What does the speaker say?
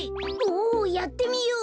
おやってみよう！